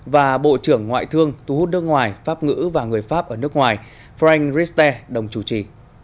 và bộ trưởng ngoại thương thu hút nước ngoài pháp ngữ và người pháp ở nước ngoài frank riste đồng chủ trì